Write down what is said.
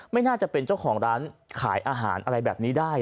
ไม่น่าจะเป็นเจ้าของร้านขายอาหารอะไรแบบนี้ได้